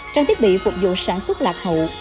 trang thiết bị phục vụ sản xuất lạc hậu